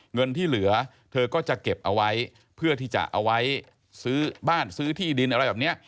เงินที่เหลือเธอก็จะเก็บเอาไว้เพื่อที่จะเอาไว้ซื้อบ้านซื้อที่ดินอะไรแบบนี้